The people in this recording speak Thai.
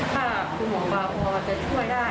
ถ้าคุณหมอปลาเพราะว่าจะช่วยได้